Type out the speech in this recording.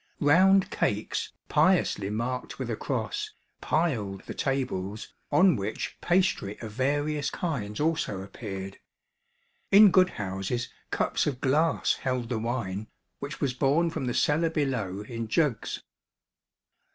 Round cakes, piously marked with a cross, piled the tables, on which pastry of various kinds also appeared. In good houses cups of glass held the wine, which was borne from the cellar below in jugs.